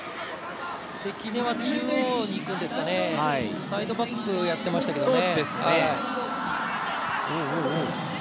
関根は中央にいくんですかね、サイドバックやってましたけどね。